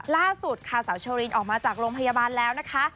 ล่าสุดค่ะสาวเชอรินออกมาจากโรงพยาบาลแล้วนะคะ